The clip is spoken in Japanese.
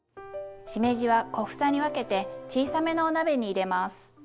しめじは小房に分けて小さめのお鍋に入れます。